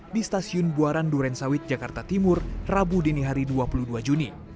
di stasiun buaran durensawit jakarta timur rabu dini hari dua puluh dua juni